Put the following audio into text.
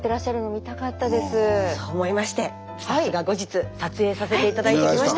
そう思いましてスタッフが後日撮影させて頂いてきました！